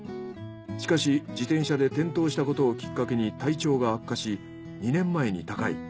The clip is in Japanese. しかし自転車で転倒したことをきっかけに体調が悪化し２年前に他界。